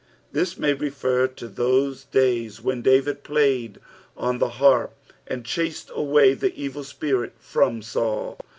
This may refer to those days when David played on the harp, and chased away the evil spirit from Saul.